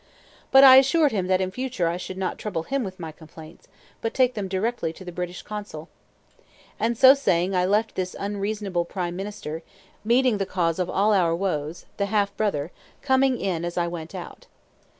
But I assured him that in future I should not trouble him with my complaints, but take them directly to the British Consul. And so saying I left this unreasonable prime minister, meeting the cause of all our woes (the half brother) coming in as I went out.